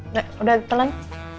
udah udah tenang